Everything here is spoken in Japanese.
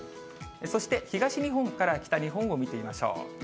そして東日本から北日本を見てみましょう。